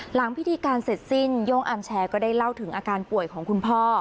หลังพิธีการเสร็จสิ้นโย่งอาร์มแชร์ก็ได้เล่าถึงอาการป่วยของคุณพ่อ